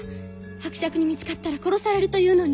伯爵に見つかったら殺されるというのに。